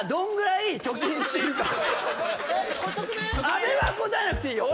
阿部は答えなくていいよ